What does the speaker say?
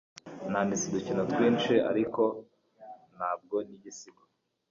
Nanditse udukino twinshi, ariko ntabwo nigisigo.